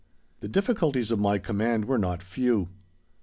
The difficulties of my command were not few.